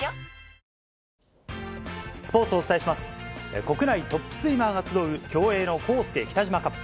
国内トップスイマーが集う競泳のコースケ・キタジマカップ。